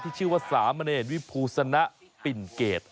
ที่ชื่อว่าสามะเนรวิภูษณะปิ่นเกต